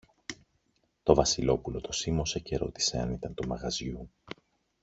Το Βασιλόπουλο το σίμωσε και ρώτησε αν ήταν του μαγαζιού.